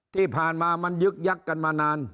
ที่ผ่านมามันยึกยักษ์กันมานาน